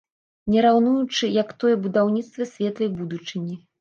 Не раўнуючы, як тое будаўніцтва светлай будучыні.